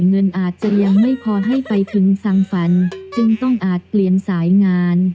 เงินอาจจะยังไม่พอให้ไปถึงสังฝันจึงต้องอาจเปลี่ยนสายงาน